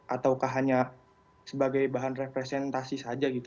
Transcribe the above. ataukah hanya sebagai bahan representasi saja gitu